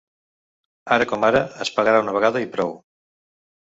Ara com ara, es pagarà una vegada i prou.